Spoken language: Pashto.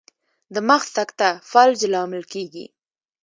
د مغز سکته فلج لامل کیږي